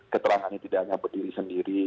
keterangannya tidak hanya berdiri sendiri